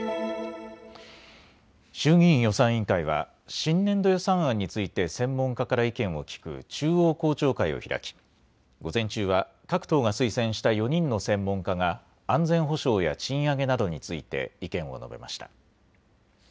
衆議院予算委員会は新年度予算案について専門家から意見を聞く中央公聴会を開き午前中は各党が推薦した４人の専門家が安全保障や賃上げなどについて意見を述べました。